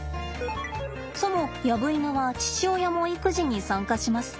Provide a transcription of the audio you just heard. そもヤブイヌは父親も育児に参加します。